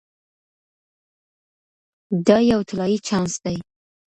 دا یو طلایی چانس دی.